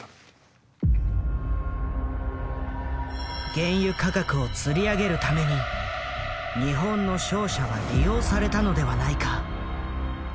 原油価格をつり上げるために日本の商社は利用されたのではないか？